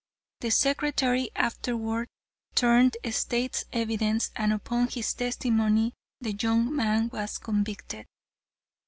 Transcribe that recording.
The secretary afterward turned State's evidence and upon his testimony the young man was convicted."